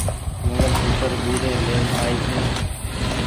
منگل سوتر ٻيري لين آئي ڇي۔